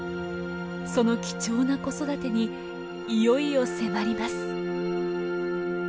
その貴重な子育てにいよいよ迫ります。